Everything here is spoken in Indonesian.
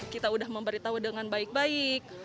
kita sudah memberitahu dengan baik baik